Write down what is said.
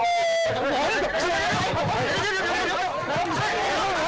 ออกไป